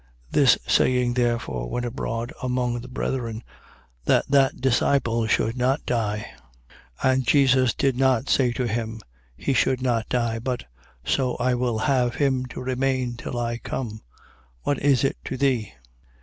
21:23. This saying therefore went abroad among the brethren, that that disciple should not die. And Jesus did not say to him: He should not die; but: So I will have him to remain till I come, what is it to thee?